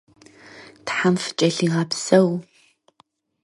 Тхьэм фыкӏэлъигъэпсэу.